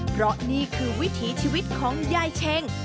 เพราะนี่คือวิถีชีวิตของยายเช็ง